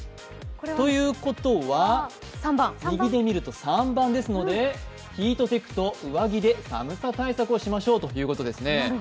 ということは、３番ですのでヒートテックと上着で寒さ対策をしましょうということですね。